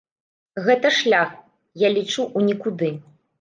Гэта шлях, я лічу, у нікуды.